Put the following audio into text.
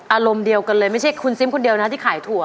อารมณ์เดียวกันเลยไม่ใช่คุณซิมคนเดียวนะที่ขายถั่ว